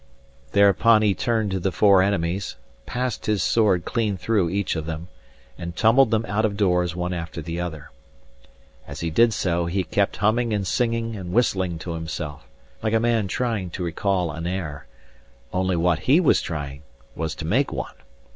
Thereupon he turned to the four enemies, passed his sword clean through each of them, and tumbled them out of doors one after the other. As he did so, he kept humming and singing and whistling to himself, like a man trying to recall an air; only what HE was trying was to make one.